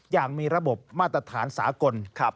อย่างมีระบบมาตรฐานสากล